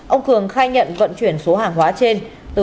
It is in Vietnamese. ông cường khai nhận vận chuyển số hàng hóa trên